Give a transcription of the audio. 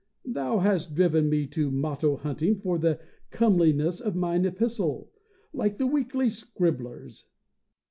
Thou hast driven me to motto hunting for the comeliness of mine epistle, like the weekly scribblers.